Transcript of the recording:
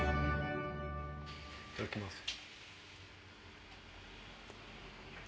いただきます。